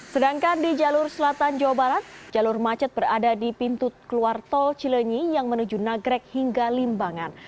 sedangkan di jalur selatan jawa barat jalur macet berada di pintu keluar tol cilenyi yang menuju nagrek hingga limbangan